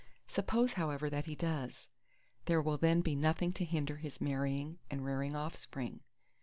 Suppose however that he does, there will then be nothing to hinder his marrying and rearing offspring.